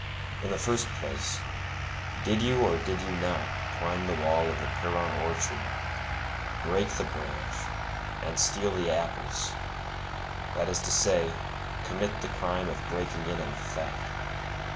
In the first place, did you or did you not climb the wall of the Pierron orchard, break the branch, and steal the apples; that is to say, commit the crime of breaking in and theft?